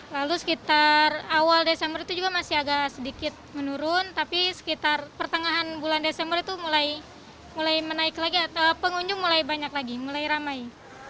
lalu sekitar awal desember itu juga masih agak sedikit menurun tapi sekitar pertengahan bulan desember itu mulai menaik lagi atau pengunjung mulai banyak lagi mulai ramai